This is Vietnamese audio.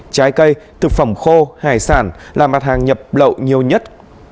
trái cây thực phẩm khô hải sản là mặt hàng nhập lậu nhiều nhất